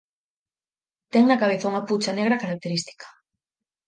Ten na cabeza unha "pucha" negra característica.